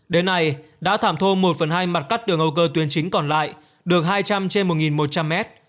đến nay đã thảm thô một phần hai mặt cắt đường âu cơ tuyến chính còn lại được hai trăm linh m trên một một trăm linh m